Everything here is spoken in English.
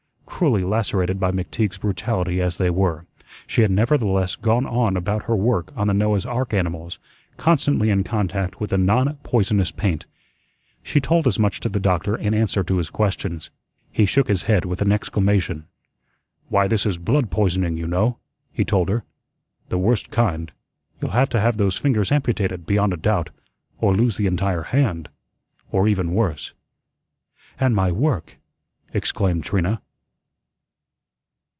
Cruelly lacerated by McTeague's brutality as they were, she had nevertheless gone on about her work on the Noah's ark animals, constantly in contact with the "non poisonous" paint. She told as much to the doctor in answer to his questions. He shook his head with an exclamation. "Why, this is blood poisoning, you know," he told her; "the worst kind. You'll have to have those fingers amputated, beyond a doubt, or lose the entire hand or even worse." "And my work!" exclaimed Trina.